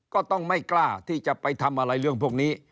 ก็ต้องไม่กล้าที่จะไปทำอะไรเรื่องพวกนี้